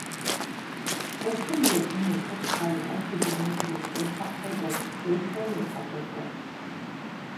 ЦӀыхум езым и лъыщхьэ иӀэжу дунейм къызэрытехьэм хуэдэщ усэми и къэкӀуэкӀэр.